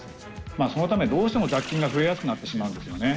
まあそのためどうしても雑菌が増えやすくなってしまうんですよね。